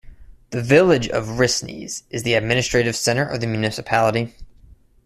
The village of Rhisnes is the administrative centre of the municipality.